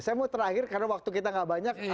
saya mau terakhir karena waktu kita gak banyak